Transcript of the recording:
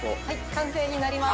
完成になります。